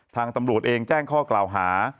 ทางตำรวจเองแจ้งข้อกล่าวหา